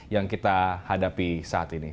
yang kita hadapi saat ini